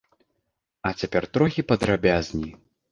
А цяпер трохі падрабязней.